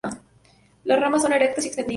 Las ramas son erectas y extendidas.